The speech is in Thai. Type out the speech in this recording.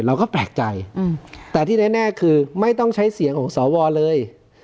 เราก็แปลกใจแต่ที่แน่คือไม่ต้องใช้เสียงของสวเลย